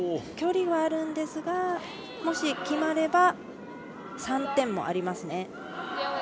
距離はあるんですがもし決まれば３点もありますね。